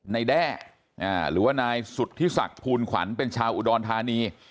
แด้หรือว่านายสุธิศักดิ์ภูลขวัญเป็นชาวอุดรธานี